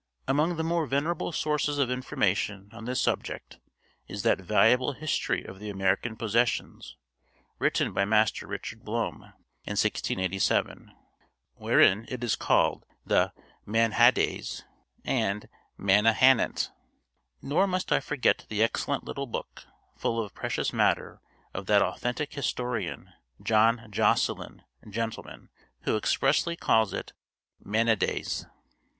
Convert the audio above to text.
Among the more venerable sources of information on this subject is that valuable history of the American possessions, written by Master Richard Blome, in 1687, wherein it is called the Manhadaes and Manahanent; nor must I forget the excellent little book, full of precious matter, of that authentic historian, John Josselyn, gent., who expressly calls it Manadaes.